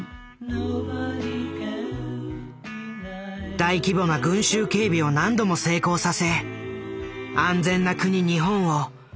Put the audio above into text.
大規模な群衆警備を何度も成功させ「安全な国日本」を世界に印象づけた。